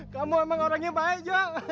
kamu emang orangnya baik jok